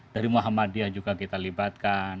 dari muhammadiyah juga kita libatkan